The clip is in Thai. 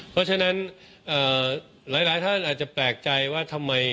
เพราะฉะนั้นหลายท่านอาจจะแปลกใจว่าทำไม